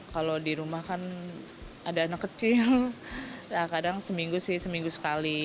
kalau di rumah kan ada anak kecil kadang seminggu sih seminggu sekali